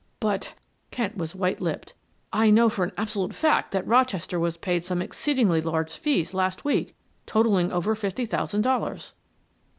"But" Kent was white lipped. "I know for an absolute fact that Rochester was paid some exceedingly large fees last week, totaling over fifty thousand dollars."